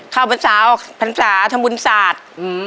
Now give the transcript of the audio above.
ข้าวบริษัทภรรษาธรรมบุญศาสตร์